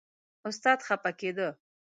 استاد خپه کېده.